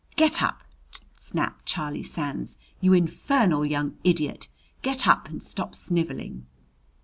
"Get up!" snapped Charlie Sands. "You infernal young idiot! Get up and stop sniveling!"